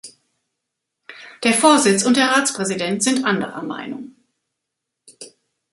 Der Vorsitz und der Ratspräsident sind anderer Meinung.